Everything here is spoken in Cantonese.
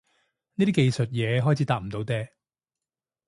呢啲技術嘢開始搭唔到嗲